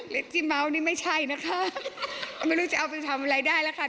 ที่เมานี่ไม่ใช่นะคะไม่รู้จะเอาไปทำอะไรได้แล้วค่ะ